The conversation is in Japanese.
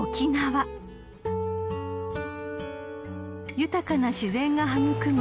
［豊かな自然が育む